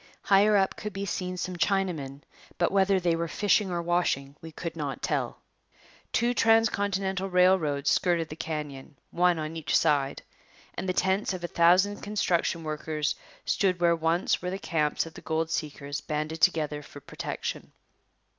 Higher up could be seen some Chinamen, but whether they were fishing or washing we could not tell. Two transcontinental railroads skirted the canyon, one on each side, and the tents of a thousand construction workers stood where once were the camps of the gold seekers banded together for protection.